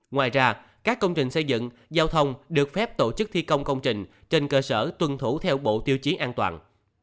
ngoài ra các công trình xây dựng giao thông được phép tổ chức thi công công trình trên cơ sở tuân thủ theo bộ tiêu chí an toàn